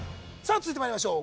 続いてまいりましょう